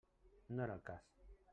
No era el cas.